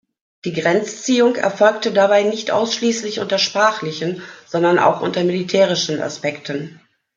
Die Grenzziehung erfolgte dabei nicht ausschließlich unter sprachlichen, sondern auch unter militärischen Aspekten.